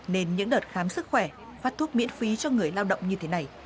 nên những đợt khám sức khỏe phát thuốc miễn phí cho người lao động như thế này